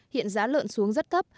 hiện giá lợn xuống rất thấp